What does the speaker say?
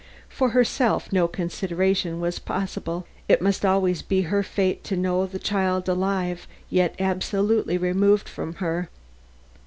For herself no consideration was possible. It must always be her fate to know the child alive yet absolutely removed from her.